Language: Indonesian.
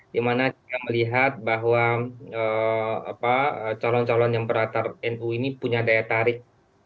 di mana kita melihat bahwa calon calon yang berantar nu ini punya daya tarik